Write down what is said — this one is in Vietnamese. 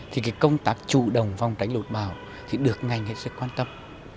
thì công tác chủ đồng vòng tránh lột bào thì được ngành sẽ quan tâm